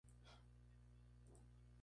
Tres anteras.